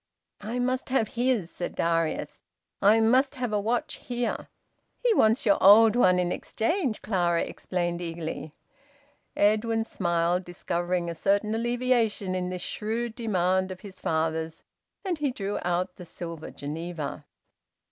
"I must have his," said Darius. "I must have a watch here." "He wants your old one in exchange," Clara explained eagerly. Edwin smiled, discovering a certain alleviation in this shrewd demand of his father's, and he drew out the silver Geneva.